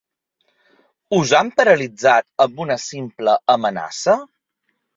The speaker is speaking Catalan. Us han paralitzat amb una simple amenaça?